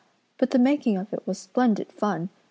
But the making of it was splendid fun.